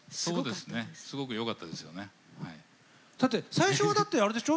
最初はだってあれでしょ？